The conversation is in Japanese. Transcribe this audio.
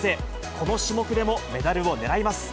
この種目でもメダルを狙います。